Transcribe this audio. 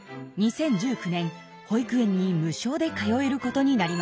２０１９年保育園に無償で通えることになりました。